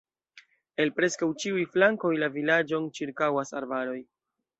El preskaŭ ĉiuj flankoj la vilaĝon ĉirkaŭas arbaroj.